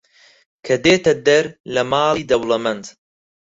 کە دێتە دەر لە ماڵی دەوڵەمەند